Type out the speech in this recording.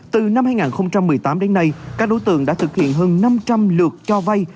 từ năm hai nghìn một mươi tám đến nay các đối tượng đã thực hiện hơn năm trăm linh lượt cho vay